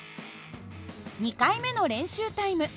２回目の練習タイム。